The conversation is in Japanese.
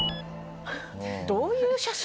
どういう写真？